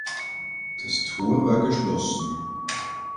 Das Tor war geschlossen.